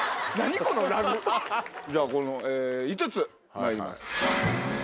じゃあこの５つまいります。